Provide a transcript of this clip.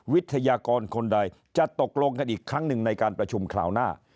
วิทยากรคนใดจะตกลงกันอีกครั้งหนึ่งในการประชุมคราวหน้า